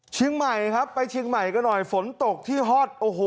ชิงใหม่ครับไปชิงใหม่ก็หน่อยฝนตกที่ฮอต